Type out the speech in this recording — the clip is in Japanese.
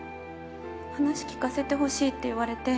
話聞かせてほしいって言われて。